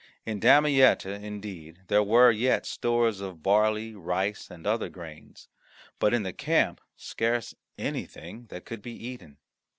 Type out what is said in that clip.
In Damietta, indeed, there were yet stores of barley, rice, and other grains; but in the camp scarce anything that could be eaten.